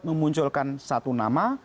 memunculkan satu nama